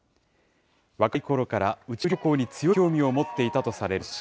若いころから宇宙旅行に強い興味を持っていたとされるベゾス氏。